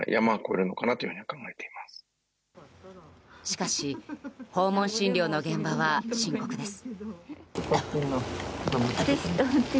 しかし訪問診療の現場は深刻です。